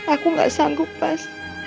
aku gak sanggup pas